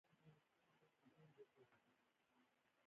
رسۍ تل کار ته چمتو وي.